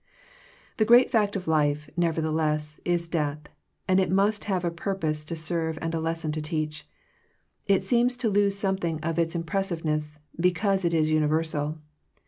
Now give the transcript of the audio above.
The great fact of life, nevertheless, is death, and it must have a purpose to serve and a lesson to teach. It seems to lose something of its impressiveness, be cause it is universal.